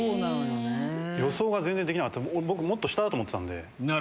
予想が全然できなかった僕もっと下だと思ってたんで。